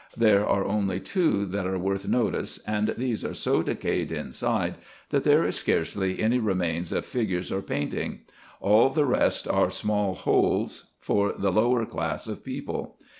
There are only two that are worth notice, and these are so decayed inside, that there is scarcely any remains of figures or painting ; all the rest are small holes for the lower class of people.